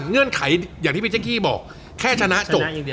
เงื่อนไขอย่างที่พี่เจ๊กกี้บอกแค่ชนะจบ